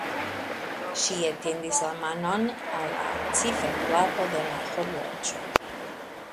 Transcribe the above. Ŝi etendis la manon al la ciferplato de la horloĝo.